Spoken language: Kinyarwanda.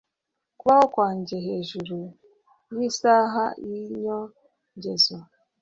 Kubaho kwanjye hejuru yisaha yinyongezo